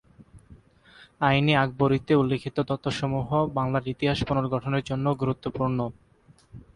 আইন-ই-আকবরীতে উল্লিখিত তথ্যসমূহ বাংলার ইতিহাস পুনর্গঠনের জন্যও গুরুত্বপূর্ণ।